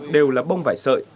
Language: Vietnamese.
đều là bông vải sợi